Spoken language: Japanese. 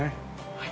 はい。